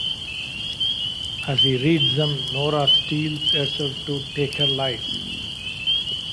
As he reads them, Nora steels herself to take her life.